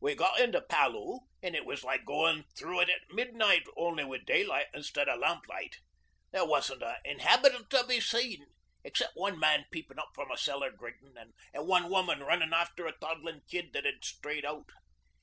'We got into Palloo an' it was like goin' through it at midnight, only wi' daylight instead of lamp light. There wasn't an inhabitant to be seen, except one man peepin' up from a cellar gratin', an' one woman runnin' after a toddlin' kid that 'ad strayed out.